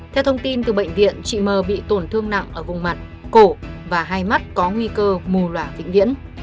theo thông tin từ bệnh viện chị m bị tổn thương nặng ở vùng mặt cổ và hai mắt có nguy cơ mù loà vĩnh viễn